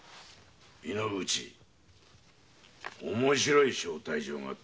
井之口面白い招待状が届いたぞ。